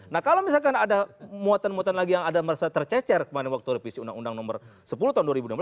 nah kalau misalkan ada muatan muatan lagi yang ada merasa tercecer kemarin waktu revisi undang undang nomor sepuluh tahun dua ribu enam belas